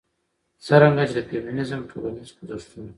څرنګه چې د فيمنيزم ټولنيز خوځښتونه